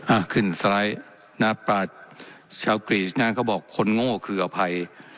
อ่ะขึ้นสไลด์นะครับชาวเกรียร์งานเขาบอกคนโง่คืออภัย